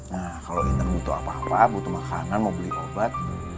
nah kalau inter butuh apa apa butuh makanan mau beli obat